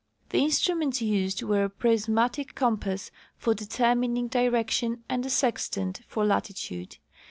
The instruments used were a prismatic compass for determining direction, and a sextant for latitude.